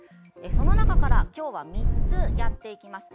その中から今日は３つやっていきます。